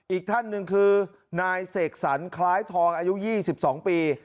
อีกท่านหนึ่งคือนายเสกสรรคล้ายทองอายุ๒๒ปี